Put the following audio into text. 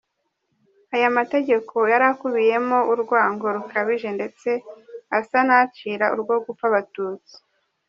Aya mategeko yari akubiyemo urwango rukabije ndetse asa n’acira urwo gupfa Abatutsi.